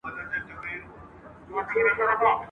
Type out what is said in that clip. خره لېوه ته ویل ځه کار دي تمام دی ..